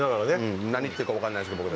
何言ってるか分かんないですけど